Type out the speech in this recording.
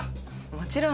もちろん。